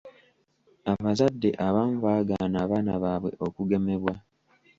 Abazadde abamu baagaana abaana baabwe okugemebwa.